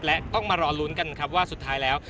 และต้องมารอลุ้นกันครับว่าสุดท้ายแล้ว